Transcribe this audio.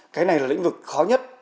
cái này là lĩnh vực khó nhất